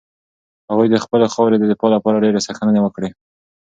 هغوی د خپلې خاورې د دفاع لپاره ډېرې سرښندنې وکړې.